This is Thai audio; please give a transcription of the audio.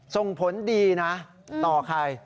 ส่งผลดีนะต่อใคร